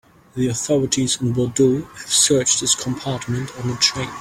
The authorities in Bordeaux have searched his compartment on the train.